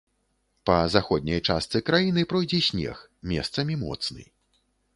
Па заходняй частцы краіны пройдзе снег, месцамі моцны.